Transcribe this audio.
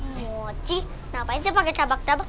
muci ngapain sih pakai tabak tabak